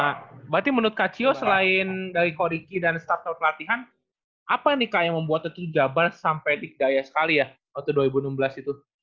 nah berarti menurut kak cio selain dari ko riki dan staff seluruh pelatihan apa nih kak yang membuat itu jabat sampai dikaya sekali ya waktu dua ribu enam belas itu